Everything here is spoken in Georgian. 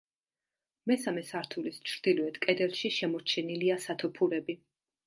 მესამე სართულის ჩრდილოეთ კედელში შემორჩენილია სათოფურები.